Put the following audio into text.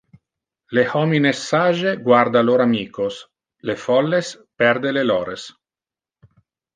Le homines sage guarda lor amicos, le folles perde le lores.